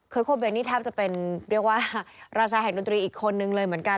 โคเบนนี่แทบจะเป็นเรียกว่าราชาแห่งดนตรีอีกคนนึงเลยเหมือนกัน